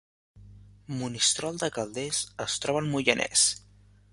Monistrol de Calders es troba al Moianès